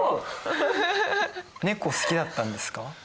ネコ好きだったんですか？